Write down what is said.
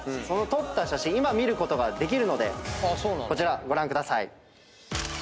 その撮った写真今見ることができるのでこちらご覧ください。